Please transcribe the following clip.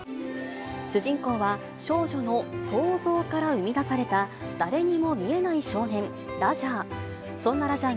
主人公は、少女の想像から生み出された、誰にも見えない少年、ラジャー。